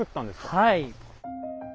はい。